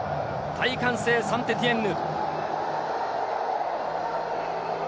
大歓声、サンテティエンヌ。